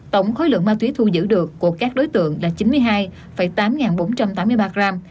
tổng khối lượng ma túy thu giữ được của các đối tượng là chín mươi hai tám bốn trăm tám mươi ba gram